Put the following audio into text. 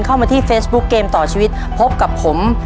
เข้ามาที่เฟซบุ๊คเกมต่อชีวิตพบกับผม